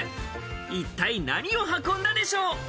一体何を運んだでしょう？